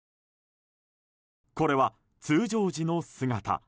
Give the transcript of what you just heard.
これは通常時の姿。